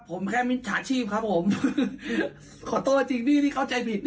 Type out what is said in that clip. ผมแค่มิจฉาชีพครับผมขอโทษจริงพี่ที่เข้าใจผิด